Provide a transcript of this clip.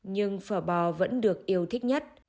nhưng phở bò vẫn được yêu thích nhất